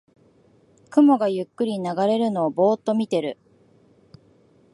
雲がゆっくり流れるのをぼーっと見てる